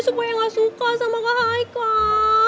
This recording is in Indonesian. supaya gak suka sama ke haikal